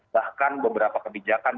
bahkan beberapa kebijakan